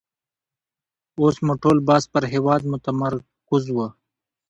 اوس مو ټول بحث پر هېواد متمرکز وو.